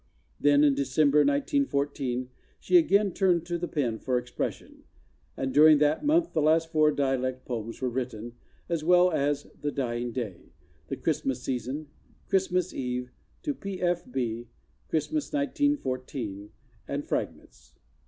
Then, in December, 1914, she again turned to the pen for expres¬ sion and during that month the last four dialect poems were written, as well as "The Dying Day," "The Christmas Sea¬ son," "Christmas Eve," "To P. F. B.," "Christmas, 1914," and "Fragments."